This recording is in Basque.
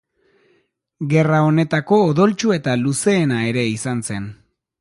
Gerra honetako odoltsu eta luzeena ere izan zen.